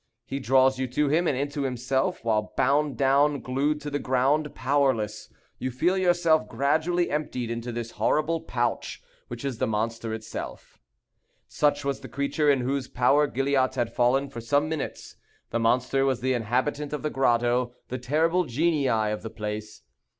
He draws you to him, and into himself; while bound down, glued to the ground, powerless, you feel yourself gradually emptied into this horrible pouch, which is the monster itself. Such was the creature in whose power Gilliatt had fallen for some minutes. The monster was the inhabitant of the grotto; the terrible genii of the place.